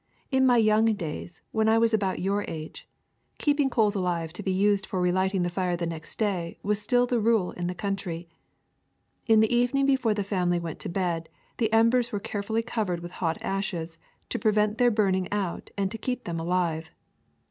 In my young days, when I was about your age, keeping coals alive to be used for relighting the fire next day was still the rule in the country. In the evening before the family went to bed, the embers were carefully covered with hot ashes to prevent their burning out and to keep them alive.